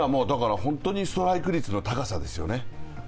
だから、ストライク率の高さですよね。